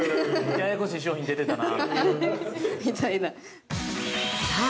◆ややこしい商品出てたなあ。